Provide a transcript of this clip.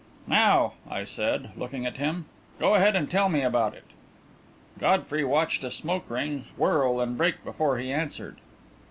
"Now," I said, looking at him, "go ahead and tell me about it." Godfrey watched a smoke ring whirl and break before he answered.